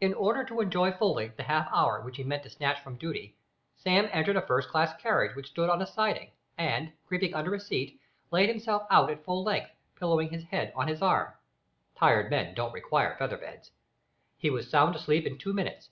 In order to enjoy fully the half hour which he meant to snatch from duty, Sam entered a first class carriage which stood on a siding, and, creeping under a seat, laid himself out at full length, pillowing his head on his arm. Tired men don't require feather beds. He was sound asleep in two minutes.